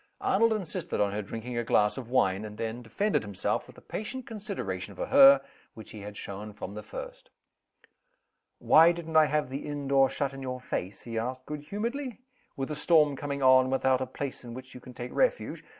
Arnold insisted on her drinking a glass of wine and then defended himself with the patient consideration for her which he had shown from the first. "Why didn't I have the inn door shut in your face" he asked, good humoredly "with a storm coming on, and without a place in which you can take refuge?